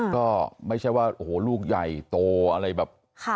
ก็ไม่ใช่ว่าโอ้โหลูกใหญ่โตอะไรแบบ